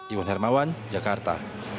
iwan hermawan jakarta